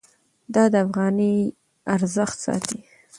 دا د افغانۍ ارزښت ساتي.